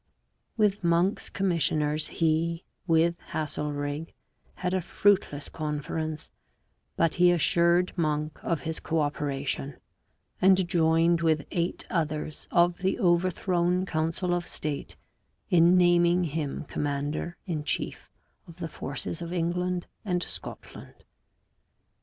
With Monk's commissioners he, with Haselrig, had a fruitless conference, but he assured Monk of his co operation, and joined with eight others of the overthrown council of state in naming him commander in chief of the forces of England and Scotland.